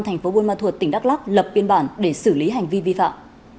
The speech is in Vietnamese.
thành phố buôn ma thuật tỉnh đắk lắk lập biên bản để xử lý hành vi vi phạm